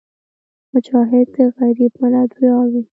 مجاهد د غریب ملت ویاړ وي.